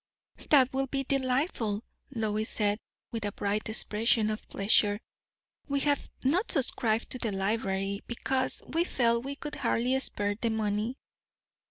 "That will be delightful," Lois said, with a bright expression of pleasure. "We have not subscribed to the library, because we felt we could hardly spare the money."